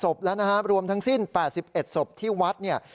ศพแล้วนะฮะรวมทั้งสิ้น๘๑ศพที่วัดเนี่ย